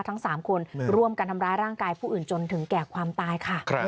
ทั้ง๓คนร่วมกันทำร้ายร่างกายผู้อื่นจนถึงแก่ความตายค่ะ